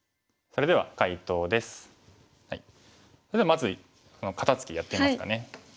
それではまず肩ツキやってみますかね。